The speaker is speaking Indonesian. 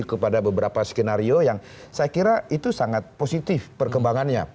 kepada beberapa skenario yang saya kira itu sangat positif perkembangannya